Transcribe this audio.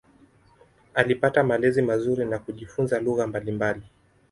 Alipata malezi mazuri na kujifunza lugha mbalimbali.